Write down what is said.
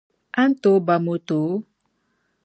a ni tooi ba moto?